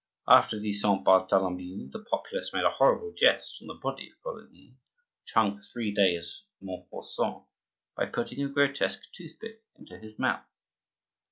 After the Saint Bartholomew the populace made a horrible jest on the body of Coligny, which hung for three days at Montfaucon, by putting a grotesque toothpick into his mouth.